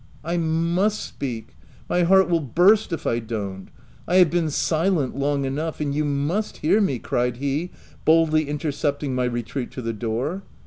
"I must speak — my heart will burst if I don't ! I have been silent long enough — and you must hear me !" cried he boldly intercept ing my retreat to the door.